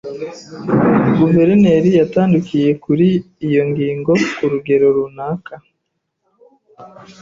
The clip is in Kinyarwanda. Guverineri yatandukiriye kuri iyo ngingo ku rugero runaka.